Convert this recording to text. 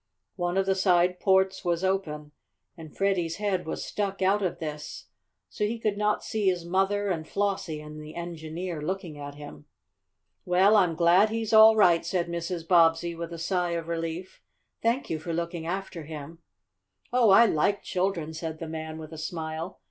One of the side ports was open, and Freddie's head was stuck out of this, so he could not see his mother and Flossie and the engineer looking at him. "Well, I'm glad he's all right," said Mrs. Bobbsey with a sigh of relief. "Thank you for looking after him." "Oh, I like children," said the man with a smile.